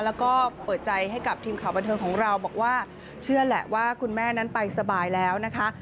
แล้วก็เปิดใจให้กับทีมข่าวบันเทิงของเราบอกว่าเชื่อแหละว่าคุณแม่นั้นไปสบายแล้วนะคะ